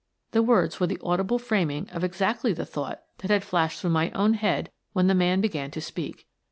The words were the audible framing of exactly the thought that had flashed through my own head when the man began to speak.